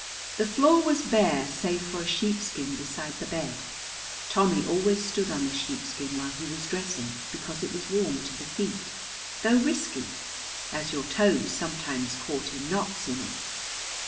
The floor was bare save for a sheepskin beside the bed. Tommy always stood on the sheepskin while he was dressing because it was warm to the feet, though risky, as your toes sometimes caught in knots in it.